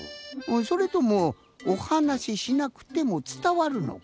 それともおはなししなくてもつたわるのかな。